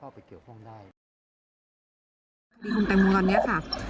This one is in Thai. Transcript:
บิคลุมแต่งมุมตอนนี้ค่ะ